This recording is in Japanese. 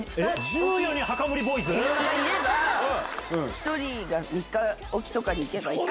１人が３日置きとかに行けば。